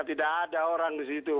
tidak ada orang di situ